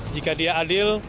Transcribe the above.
jika dia adil